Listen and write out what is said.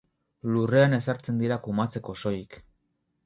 Lurrean ezartzen dira kumatzeko soilik.